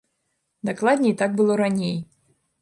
Дакладней, так было раней.